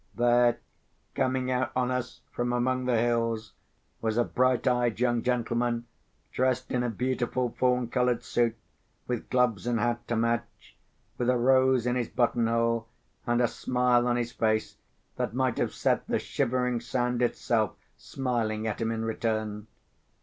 There, coming out on us from among the hills, was a bright eyed young gentleman, dressed in a beautiful fawn coloured suit, with gloves and hat to match, with a rose in his button hole, and a smile on his face that might have set the Shivering Sand itself smiling at him in return.